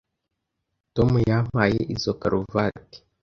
Tom yampaye izoi karuvati.